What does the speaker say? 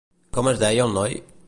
Com es deia el noi?